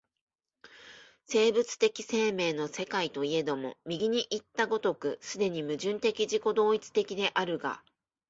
生物的生命の世界といえども、右にいった如く既に矛盾的自己同一的であるが、